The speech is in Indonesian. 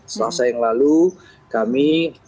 selasa yang lalu kami